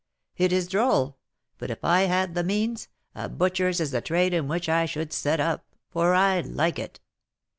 It is droll, but if I had the means, a butcher's is the trade in which I should set up, for I like it.